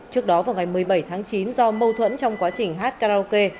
trước đó vào ngày một mươi bảy tháng chín do mâu thuẫn trong quá trình hát karaoke